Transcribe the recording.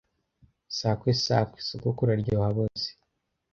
sakwe sakwe sogokuru aryoha aboze